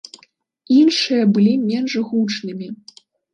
Іншыя былі менш гучнымі.